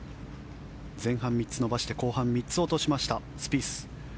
前半３つ伸ばして後半３つ落としましたスピース。